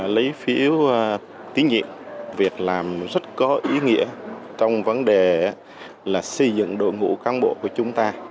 lấy phiếu tín nhiệm việc làm rất có ý nghĩa trong vấn đề là xây dựng đội ngũ cán bộ của chúng ta